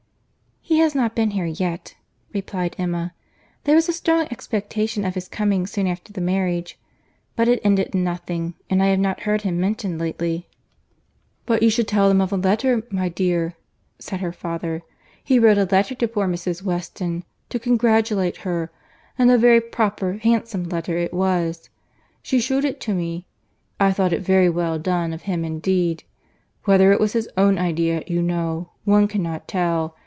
"He has not been here yet," replied Emma. "There was a strong expectation of his coming soon after the marriage, but it ended in nothing; and I have not heard him mentioned lately." "But you should tell them of the letter, my dear," said her father. "He wrote a letter to poor Mrs. Weston, to congratulate her, and a very proper, handsome letter it was. She shewed it to me. I thought it very well done of him indeed. Whether it was his own idea you know, one cannot tell.